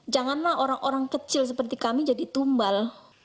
janganlah orang orang kecil seperti kami jadi tumbal